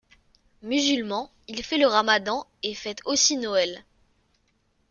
Musulman, il fait le ramadan et fête aussi Noël.